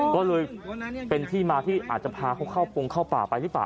ก็เลยเป็นที่มาที่อาจจะพาเขาเข้าปงเข้าป่าไปหรือเปล่า